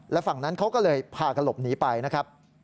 แล้วฝั่งนั้นเขาก็เลยพากันหลบหนีไปนะครับ